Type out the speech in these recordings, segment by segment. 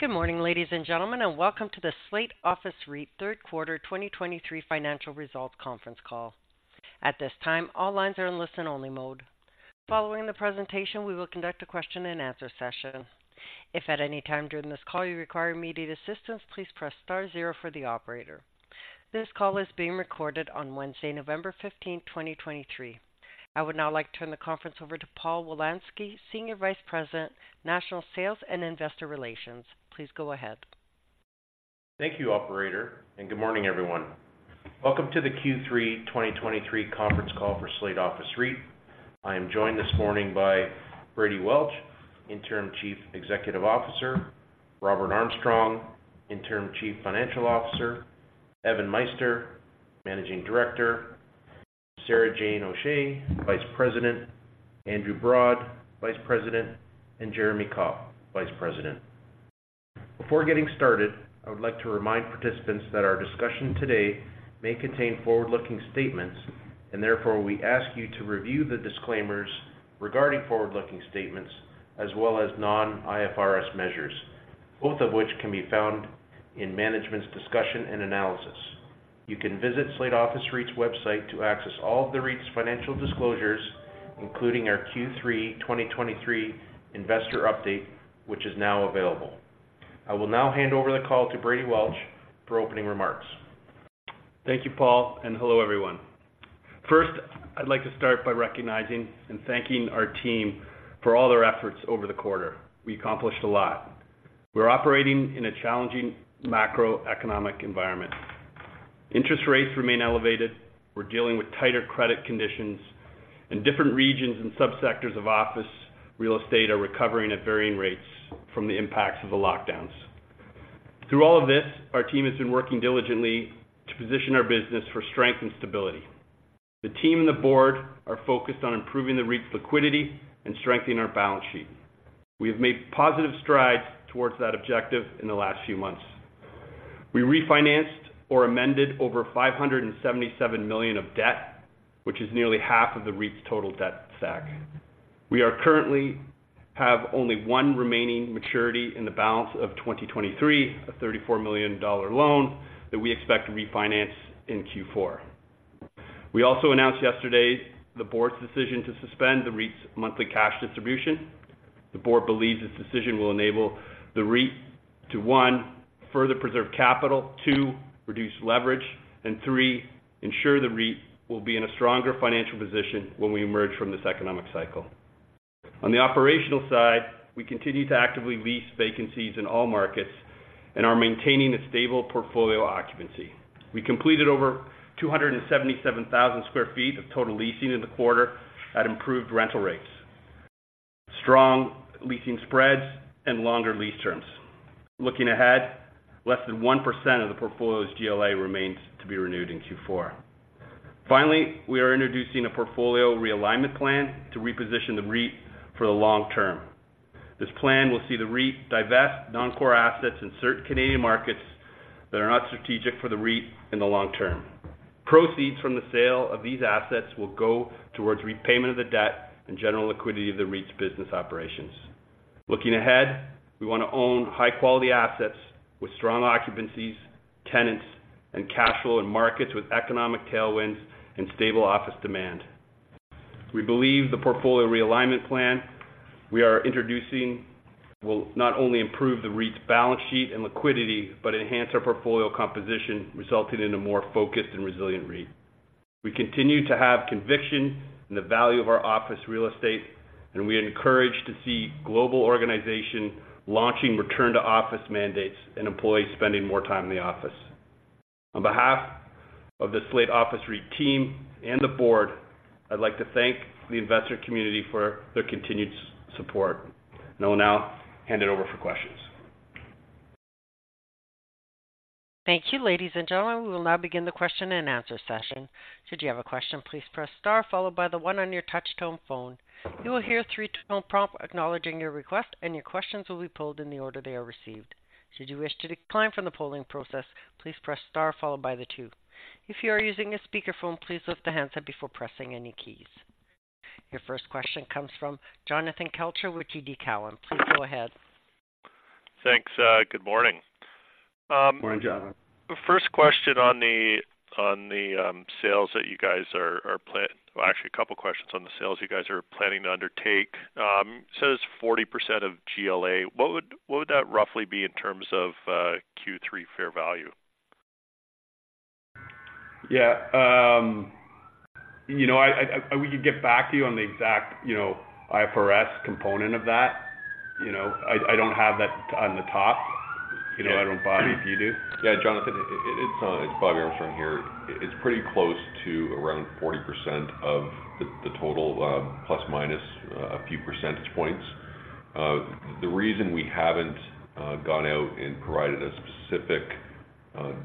Good morning, ladies and gentlemen, and welcome to the Slate Office REIT third quarter 2023 financial results conference call. At this time, all lines are in listen-only mode. Following the presentation, we will conduct a question-and-answer session. If at any time during this call you require immediate assistance, please press star zero for the operator. This call is being recorded on Wednesday, November 15th, 2023. I would now like to turn the conference over to Paul Wolanski, Senior Vice President, National Sales and Investor Relations. Please go ahead. Thank you, operator, and good morning, everyone. Welcome to the Q3 2023 conference call for Slate Office REIT. I am joined this morning by Brady Welch, Interim Chief Executive Officer, Robert Armstrong, Interim Chief Financial Officer, Evan Meister, Managing Director, Sarah Jane O'Shea, Vice President, Andrew Brunt, Vice President, and Jeremy Kopp, Vice President. Before getting started, I would like to remind participants that our discussion today may contain forward-looking statements, and therefore we ask you to review the disclaimers regarding forward-looking statements as well as non-IFRS measures, both of which can be found in management's discussion and analysis. You can visit Slate Office REIT's website to access all of the REIT's financial disclosures, including our Q3 2023 investor update, which is now available. I will now hand over the call to Brady Welch for opening remarks. Thank you, Paul, and hello, everyone. First, I'd like to start by recognizing and thanking our team for all their efforts over the quarter. We accomplished a lot. We're operating in a challenging macroeconomic environment. Interest rates remain elevated, we're dealing with tighter credit conditions, and different regions and subsectors of office real estate are recovering at varying rates from the impacts of the lockdowns. Through all of this, our team has been working diligently to position our business for strength and stability. The team and the board are focused on improving the REIT's liquidity and strengthening our balance sheet. We have made positive strides towards that objective in the last few months. We refinanced or amended over 577 million of debt, which is nearly half of the REIT's total debt stack. We currently have only one remaining maturity in the balance of 2023, a 34 million dollar loan that we expect to refinance in Q4. We also announced yesterday the board's decision to suspend the REIT's monthly cash distribution. The board believes this decision will enable the REIT to, one, further preserve capital, two, reduce leverage, and three, ensure the REIT will be in a stronger financial position when we emerge from this economic cycle. On the operational side, we continue to actively lease vacancies in all markets and are maintaining a stable portfolio occupancy. We completed over 277,000 sq ft of total leasing in the quarter at improved rental rates, strong leasing spreads, and longer lease terms. Looking ahead, less than 1% of the portfolio's GLA remains to be renewed in Q4. Finally, we are introducing a portfolio realignment plan to reposition the REIT for the long term. This plan will see the REIT divest non-core assets in certain Canadian markets that are not strategic for the REIT in the long term. Proceeds from the sale of these assets will go towards repayment of the debt and general liquidity of the REIT's business operations. Looking ahead, we want to own high-quality assets with strong occupancies, tenants, and cash flow in markets with economic tailwinds and stable office demand. We believe the portfolio realignment plan we are introducing will not only improve the REIT's balance sheet and liquidity, but enhance our portfolio composition, resulting in a more focused and resilient REIT. We continue to have conviction in the value of our office real estate, and we are encouraged to see global organization launching return-to-office mandates and employees spending more time in the office. On behalf of the Slate Office REIT team and the board, I'd like to thank the investor community for their continued support. I will now hand it over for questions. Thank you. Ladies and gentlemen, we will now begin the question-and-answer session. Should you have a question, please press star followed by the one on your touch-tone phone. You will hear a three-tone prompt acknowledging your request, and your questions will be pulled in the order they are received. Should you wish to decline from the polling process, please press star followed by the two. If you are using a speakerphone, please lift the handset before pressing any keys. Your first question comes from Jonathan Kelcher with TD Cowen. Please go ahead. Thanks. Good morning. Good morning, John. First question on the sales that you guys are planning. Well, actually, a couple questions on the sales you guys are planning to undertake. So it's 40% of GLA. What would that roughly be in terms of Q3 fair value? Yeah, you know, we could get back to you on the exact, you know, IFRS component of that. You know, I don't have that on the top. You know, I don't. Bobby, do you? Yeah, Jonathan, it's Bobby Armstrong here. It's pretty close to around 40% of the total, plus minus a few percentage points. The reason we haven't gone out and provided a specific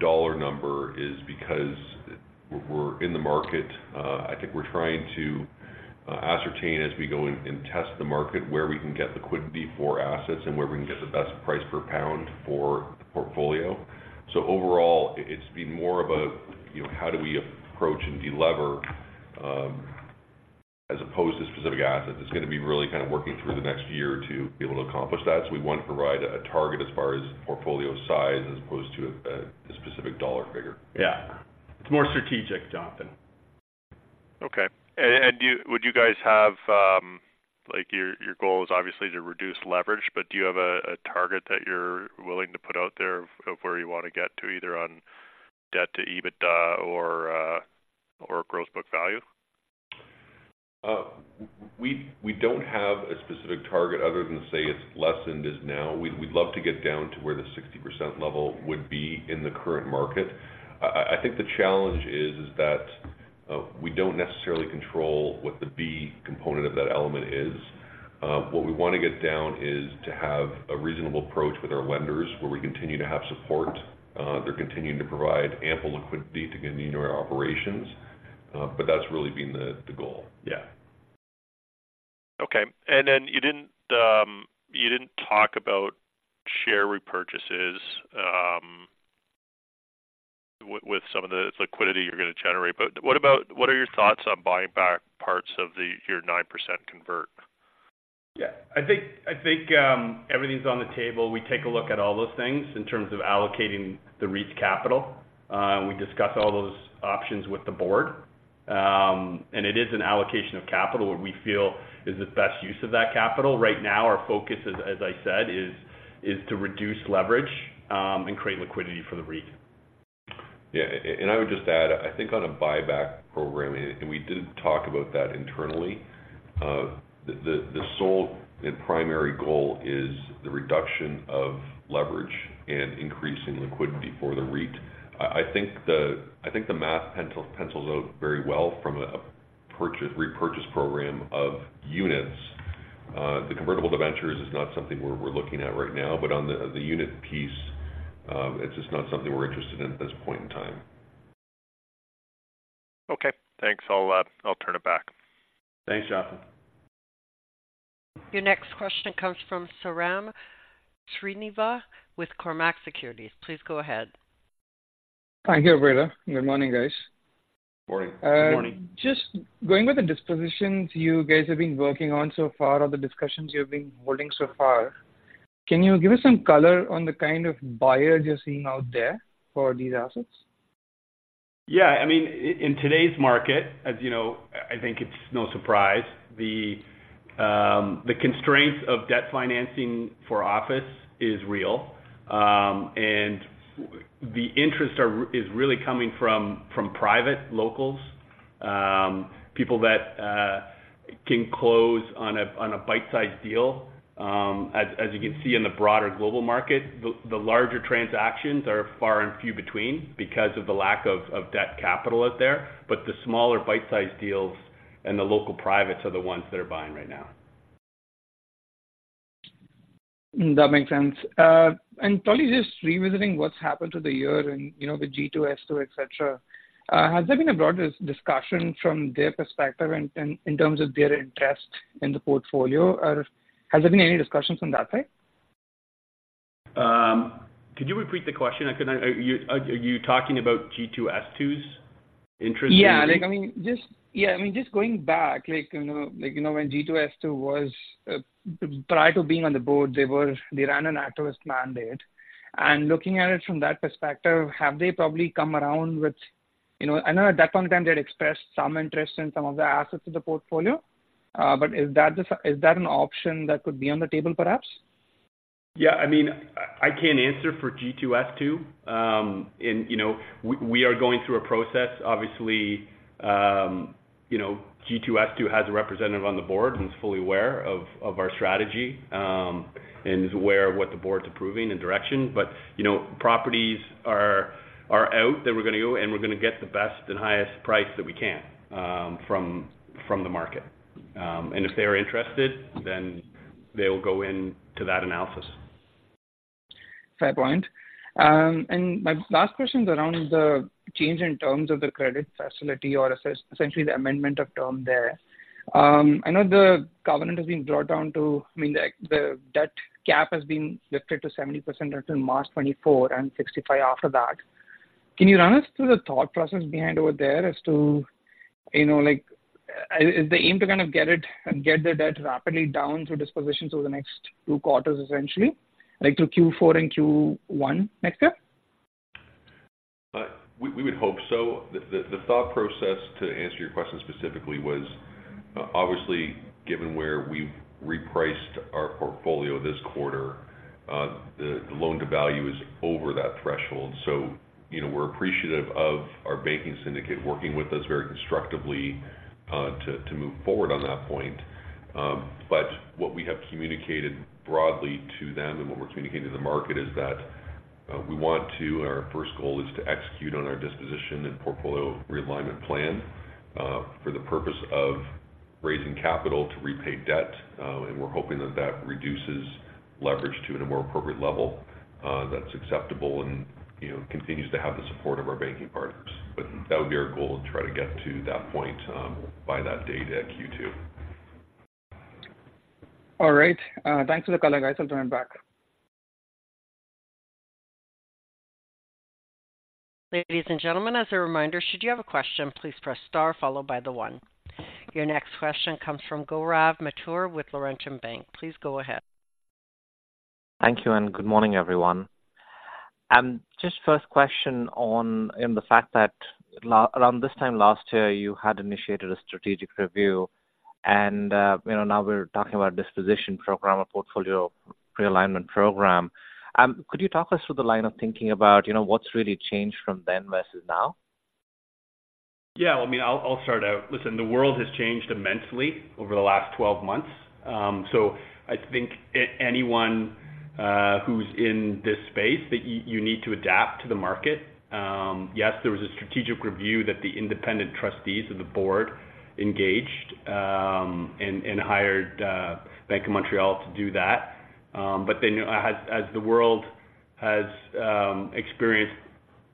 dollar number is because we're in the market. I think we're trying to ascertain as we go and test the market, where we can get liquidity for assets and where we can get the best price per pound for the portfolio. So overall, it's been more of a, you know, how do we approach and delever as opposed to specific assets. It's going to be really kind of working through the next year to be able to accomplish that. So we want to provide a target as far as portfolio size, as opposed to a specific dollar figure. Yeah. It's more strategic, Jonathan. Okay. And would you guys have like your goal is obviously to reduce leverage, but do you have a target that you're willing to put out there of where you want to get to, either on debt to EBITDA or Gross Book Value? We don't have a specific target other than to say it's less than it is now. We'd love to get down to where the 60% level would be in the current market. I think the challenge is that we don't necessarily control what the B component of that element is. What we want to get down is to have a reasonable approach with our lenders, where we continue to have support. They're continuing to provide ample liquidity to continue our operations. But that's really been the goal. Yeah. Okay. And then you didn't talk about share repurchases with some of the liquidity you're going to generate. But what about - what are your thoughts on buying back parts of the, your 9% convert? Yeah. I think everything's on the table. We take a look at all those things in terms of allocating the REIT's capital. We discuss all those options with the board. It is an allocation of capital, what we feel is the best use of that capital. Right now, our focus is, as I said, is to reduce leverage, and create liquidity for the REIT. Yeah. And I would just add, I think on a buyback program, and we did talk about that internally. The sole and primary goal is the reduction of leverage and increasing liquidity for the REIT. I think the math pencils out very well from a purchase, repurchase program of units. The Convertible Debentures is not something we're looking at right now, but on the unit piece, it's just not something we're interested in at this point in time. Okay. Thanks. I'll turn it back. Thanks, Jonathan. Your next question comes from Sairam Srinivas with Cormark Securities. Please go ahead. Thank you, Operator. Good morning, guys. Morning. Good morning. Just going with the dispositions you guys have been working on so far, or the discussions you've been holding so far, can you give us some color on the kind of buyers you're seeing out there for these assets? Yeah. I mean, in today's market, as you know, I think it's no surprise, the constraints of debt financing for office is real. And the interest is really coming from private locals. People that can close on a bite-sized deal. As you can see in the broader global market, the larger transactions are far and few between because of the lack of debt capital out there. But the smaller bite-sized deals and the local privates are the ones that are buying right now. That makes sense. And totally just revisiting what's happened to the year and, you know, the G2S2, et cetera. Has there been a broader discussion from their perspective and in terms of their interest in the portfolio? Or has there been any discussions on that side? Could you repeat the question? Are you talking about G2S2's interest? Yeah. Like, I mean, just, yeah, I mean, just going back, like, you know, like, you know, when G2S2 was prior to being on the board, they ran an activist mandate. And looking at it from that perspective, have they probably come around with, you know, I know at that point in time, they had expressed some interest in some of the assets of the portfolio. But is that an option that could be on the table, perhaps? Yeah, I mean, I can't answer for G2S2. And, you know, we are going through a process, obviously. You know, G2S2 has a representative on the board and is fully aware of our strategy, and is aware of what the board's approving and direction. But, you know, properties are out that we're going to go, and we're going to get the best and highest price that we can, from the market. And if they are interested, then they will go in to that analysis. Fair point. And my last question is around the change in terms of the credit facility or essentially, the amendment of term there. I know the covenant has been brought down to, I mean, the, the debt cap has been lifted to 70% until March 2024 and 65% after that. Can you run us through the thought process behind over there as to, you know, like, is the aim to kind of get it and get the debt rapidly down through dispositions over the next two quarters, essentially, like to Q4 and Q1 next year? We would hope so. The thought process, to answer your question specifically, was obviously, given where we've repriced our portfolio this quarter, the Loan-to-Value is over that threshold. So, you know, we're appreciative of our banking syndicate working with us very constructively to move forward on that point. But what we have communicated broadly to them and what we're communicating to the market is that we want to, and our first goal is to execute on our disposition and portfolio realignment plan for the purpose of raising capital to repay debt. And we're hoping that that reduces leverage to at a more appropriate level that's acceptable and, you know, continues to have the support of our banking partners. But that would be our goal, to try to get to that point, by that date at Q2. All right. Thanks for the color, guys. I'll turn it back. Ladies and gentlemen, as a reminder, should you have a question, please press star followed by the one. Your next question comes from Gaurav Mathur with Laurentian Bank. Please go ahead. Thank you, and good morning, everyone. Just first question on, in the fact that around this time last year, you had initiated a strategic review, and, you know, now we're talking about disposition program or portfolio realignment program. Could you talk us through the line of thinking about, you know, what's really changed from then versus now? Yeah, I mean, I'll start out. Listen, the world has changed immensely over the last 12 months. So I think anyone who's in this space, you need to adapt to the market. Yes, there was a strategic review that the independent trustees of the board engaged and hired Bank of Montreal to do that. But then, as the world has experienced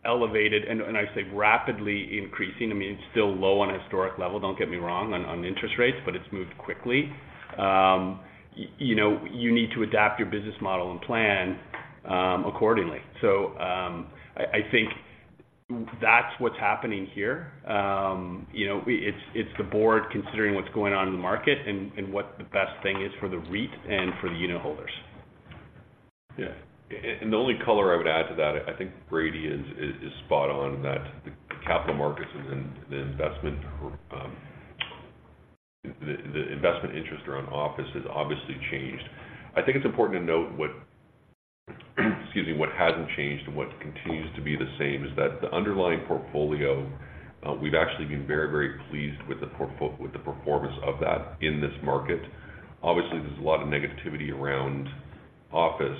elevated and I say rapidly increasing, I mean, it's still low on a historic level, don't get me wrong, on interest rates, but it's moved quickly. You know, you need to adapt your business model and plan accordingly. So I think that's what's happening here. You know, it's the board considering what's going on in the market and what the best thing is for the REIT and for the unitholders. Yeah. And the only color I would add to that, I think Brady is spot on, that the capital markets and the investment interest around office has obviously changed. I think it's important to note what, excuse me, what hasn't changed and what continues to be the same is that the underlying portfolio, we've actually been very, very pleased with the performance of that in this market. Obviously, there's a lot of negativity around office,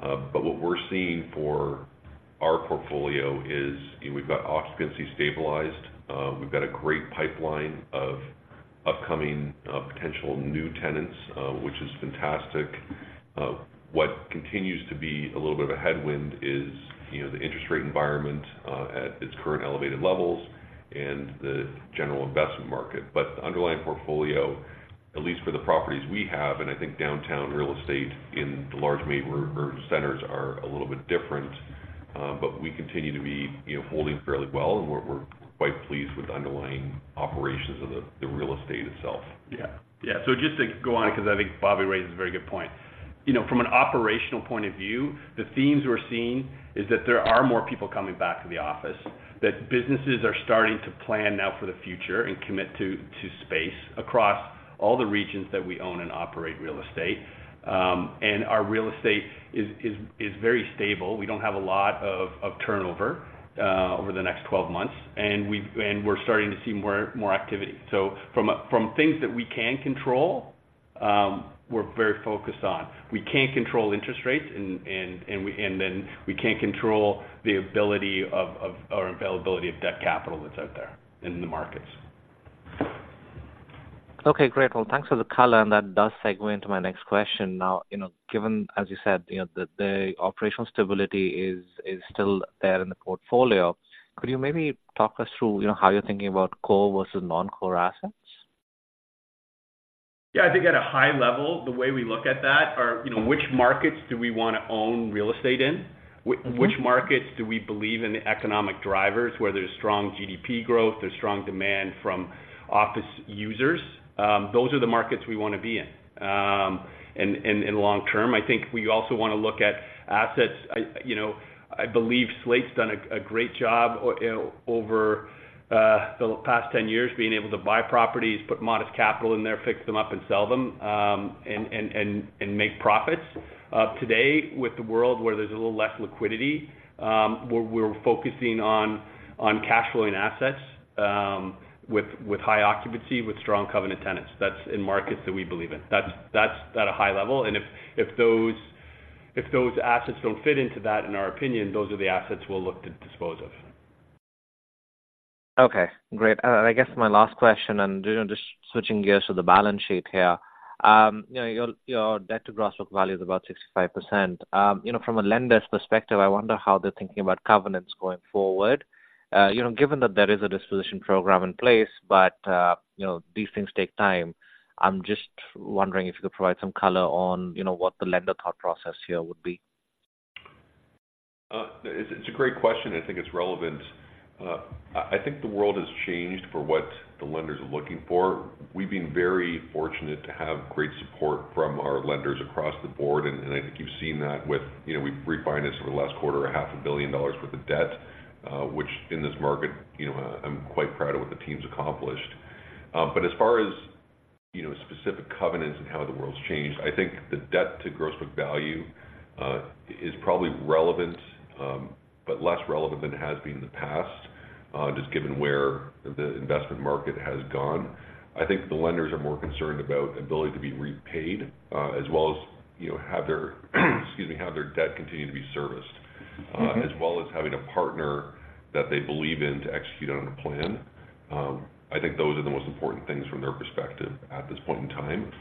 but what we're seeing for our portfolio is, we've got occupancy stabilized, we've got a great pipeline of upcoming potential new tenants, which is fantastic. What continues to be a little bit of a headwind is, you know, the interest rate environment at its current elevated levels and the general investment market. But the underlying portfolio, at least for the properties we have, and I think downtown real estate in the large major or centers are a little bit different, but we continue to be, you know, holding fairly well, and we're quite pleased with the underlying operations of the real estate itself. Yeah. Yeah. So just to go on, because I think Bobby raises a very good point. You know, from an operational point of view, the themes we're seeing is that there are more people coming back to the office, that businesses are starting to plan now for the future and commit to space across all the regions that we own and operate real estate. And our real estate is very stable. We don't have a lot of turnover over the next 12 months, and we're starting to see more activity. So from things that we can control, we're very focused on. We can't control interest rates, and then we can't control the availability of debt capital that's out there in the markets. Okay, great. Well, thanks for the color, and that does segue into my next question. Now, you know, given, as you said, you know, the operational stability is still there in the portfolio, could you maybe talk us through, you know, how you're thinking about core versus non-core assets? Yeah, I think at a high level, the way we look at that are, you know, which markets do we want to own real estate in? Mm-hmm. Which markets do we believe in the economic drivers, where there's strong GDP growth, there's strong demand from office users? Those are the markets we want to be in. In long term, I think we also want to look at assets. I, you know, I believe Slate's done a great job over the past 10 years, being able to buy properties, put modest capital in there, fix them up and sell them, and make profits. Today, with the world where there's a little less liquidity, where we're focusing on cash flowing assets, with high occupancy, with strong covenant tenants. That's in markets that we believe in. That's at a high level, and if those assets don't fit into that, in our opinion, those are the assets we'll look to dispose of. Okay, great. I guess my last question, and, you know, just switching gears to the balance sheet here. You know, your, your debt to Gross Book Value is about 65%. You know, from a lender's perspective, I wonder how they're thinking about covenants going forward. You know, given that there is a disposition program in place, but, you know, these things take time. I'm just wondering if you could provide some color on, you know, what the lender thought process here would be. It's a great question. I think it's relevant. I think the world has changed for what the lenders are looking for. We've been very fortunate to have great support from our lenders across the board, and I think you've seen that with, you know, we've refinanced over the last quarter, 500 million dollars worth of debt, which in this market, you know, I'm quite proud of what the team's accomplished. But as far as, you know, specific covenants and how the world's changed, I think the debt to Gross Book Value is probably relevant, but less relevant than it has been in the past, just given where the investment market has gone. I think the lenders are more concerned about ability to be repaid, as well as, you know, have their, excuse me, have their debt continue to be serviced. Mm-hmm. As well as having a partner that they believe in to execute on a plan. I think those are the most important things from their perspective at this point in time.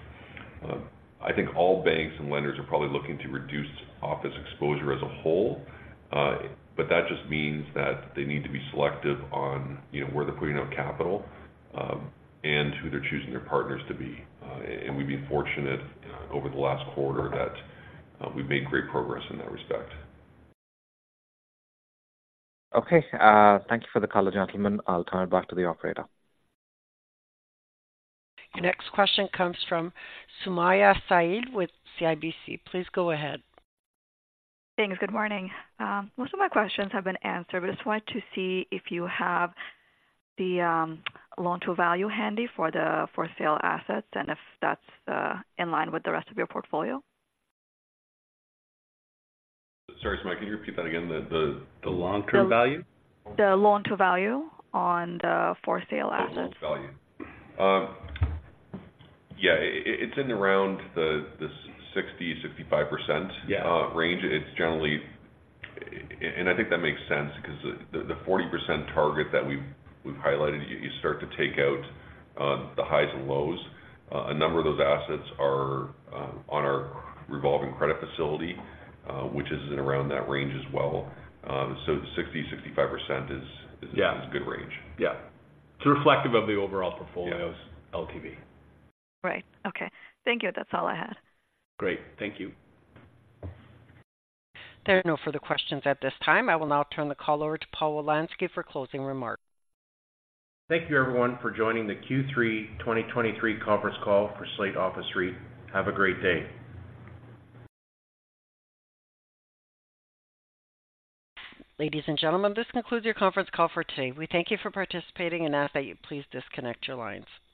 I think all banks and lenders are probably looking to reduce office exposure as a whole, but that just means that they need to be selective on, you know, where they're putting out capital, and who they're choosing their partners to be. And we've been fortunate over the last quarter that we've made great progress in that respect. Okay. Thank you for the call, gentlemen. I'll turn it back to the operator. Your next question comes from Sumayya Syed with CIBC. Please go ahead. Thanks. Good morning. Most of my questions have been answered, but I just wanted to see if you have the Loan-to-Value handy for the for sale assets and if that's in line with the rest of your portfolio? Sorry, Sumayya, can you repeat that again, the long-term value? The Loan-to-Value on the for sale assets. Oh, Loan-to-Value. Yeah, it's in around the 60-65%. Yeah. range. It's generally... And I think that makes sense because the 40% target that we've highlighted, you start to take out the highs and lows. A number of those assets are on our Revolving Credit Facility, which is in around that range as well. So 60-65% is is a good range. Yeah. Yeah. It's reflective of the overall portfolios LTV Yeah. Right. Okay. Thank you. That's all I had. Great. Thank you. There are no further questions at this time. I will now turn the call over to Paul Wolanski for closing remarks. Thank you, everyone, for joining the Q3 2023 conference call for Slate Office REIT. Have a great day. Ladies and gentlemen, this concludes your conference call for today. We thank you for participating and ask that you please disconnect your lines.